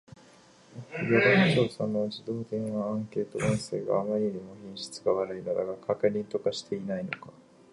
世論調査の自動電話アンケート音声があまりにも品質悪いのだが、確認とかしていないのか